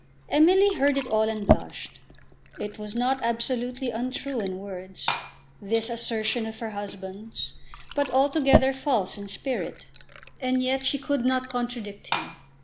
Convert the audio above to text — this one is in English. Emily heard it all and blushed. It was not absolutely untrue in words, this assertion of her husband's, but altogether false in spirit. And yet she could not contradict him.